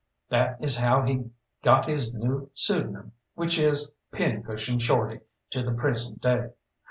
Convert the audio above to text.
That is how he got his new pseudonym, which is Pincushion Shorty to the present day.